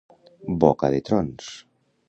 Boca de trons.